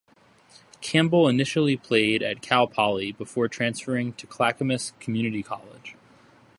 Campbell initially played at Cal Poly before transferring to Clackamas Community College.